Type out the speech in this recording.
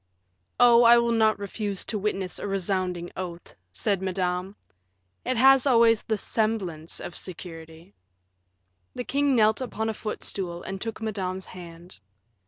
"Oh, I will not refuse to witness a resounding oath," said Madame; "it has always the semblance of security." The king knelt upon a footstool and took Madame's hand.